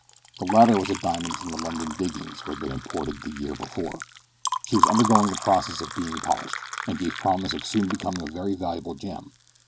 The latter was a diamond from the London diggings, who had been imported the year before. She was undergoing the process of being polished, and gave promise of soon becoming a very valuable gem.